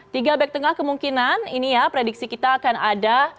tiga back tengah kemungkinan ini ya prediksi kita akan ada